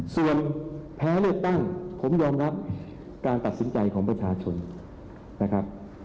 ส่วนแพ้เลือกตั้งผมยอมรับการตัดสินใจของประชาชนนะครับ